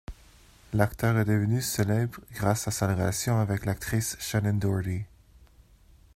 L'acteur est devenu célèbre grâce à sa relation avec l'actrice Shannen Doherty.